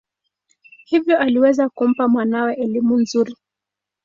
Hivyo aliweza kumpa mwanawe elimu nzuri.